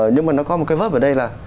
nhưng mà nó có một cái vớt ở đây là